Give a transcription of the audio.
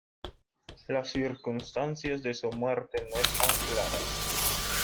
Las circunstancias de su muerte no están claras.